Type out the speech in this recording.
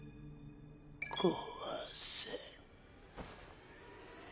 壊せ。